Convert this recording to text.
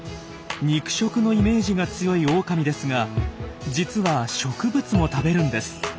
肉食のイメージが強いオオカミですが実は植物も食べるんです。